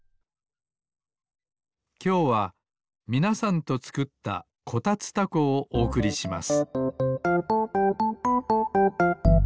きょうはみなさんとつくった「こたつたこ」をおおくりします